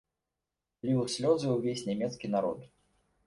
Ліў слёзы ўвесь нямецкі народ.